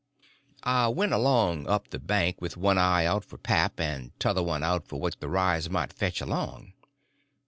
I went along up the bank with one eye out for pap and t'other one out for what the rise might fetch along.